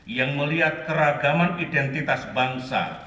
yang melihat keragaman identitas bangsa